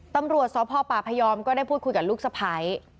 ตำรวจสพปพยอมก็ได้พูดคุยกับลูกสะพ้าย